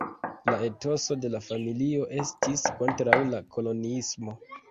La etoso de la familio estis kontraŭ la koloniismo.